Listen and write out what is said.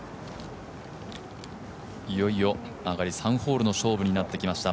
いよいよ、上がり３ホールの勝負になってきました。